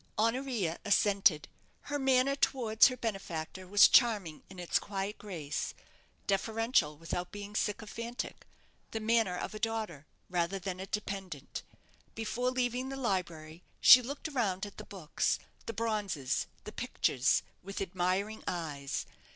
Honoria assented. Her manner towards her benefactor was charming in its quiet grace, deferential without being sycophantic the manner of a daughter rather than a dependent Before leaving the library, she looked round at the books, the bronzes, the pictures, with admiring eyes.